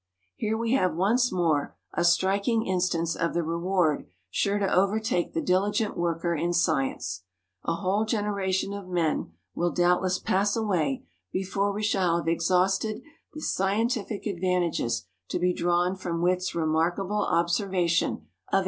Here we have once more a striking instance of the reward sure to overtake the diligent worker in science a whole generation of men will doubtless pass away before we shall have exhausted the scientific advantages to be drawn from Witt's remarkable observation of 1898.